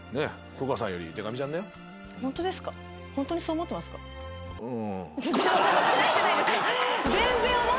思ってないじゃないですか。